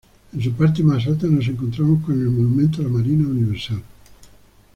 En su parte más alta nos encontramos con el Monumento a la marina universal.